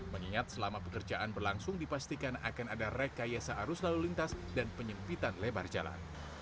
mengingat selama pekerjaan berlangsung dipastikan akan ada rekayasa arus lalu lintas dan penyempitan lebar jalan